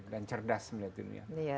dan cerdas melihat dunia